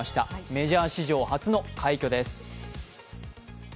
メジャー史上初の快挙です。